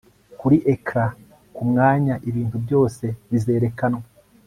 Kuri ecran kumwanya ibintu byose bizerekanwa